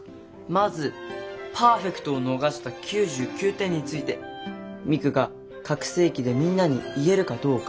まずパーフェクトを逃した９９点についてミクが拡声機でみんなに言えるかどうか。